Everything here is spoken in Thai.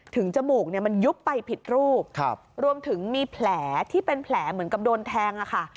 จมูกเนี่ยมันยุบไปผิดรูปรวมถึงมีแผลที่เป็นแผลเหมือนกับโดนแทงอะค่ะ